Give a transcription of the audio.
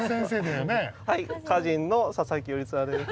はい歌人の佐佐木頼綱です。